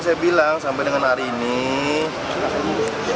sebenarnya gubernur atau wali kota